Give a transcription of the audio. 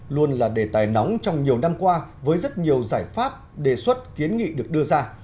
luôn là đề tài nóng trong nhiều năm qua với rất nhiều giải pháp đề xuất kiến nghị được đưa ra